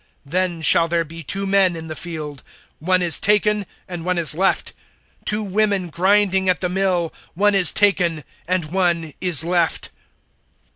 (40)Then shall there be two men in the field, one is taken, and one is left; (41)two women grinding at the mill, one is taken, and one is left.